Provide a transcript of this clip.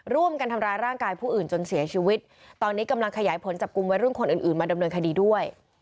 ร่วมกันทำร้ายร่างกายผู้อื่นจนเสียชีวิตตอนนี้กำลังขยายผลจับกลุ่มวัยรุ่นคนอื่นอื่นมาดำเนินคดีด้วย